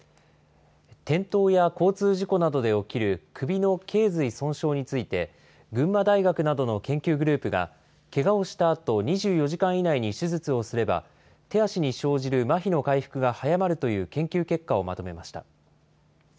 転倒や交通事故などで起きる首のけい髄損傷について、群馬大学などの研究グループが、けがをしたあと２４時間以内に手術をすれば、手足に生じるまひの回復が早まるという研究結果をまとめました。